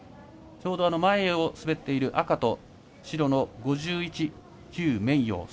ちょうど、前を滑っている赤と白の５１、邱明洋。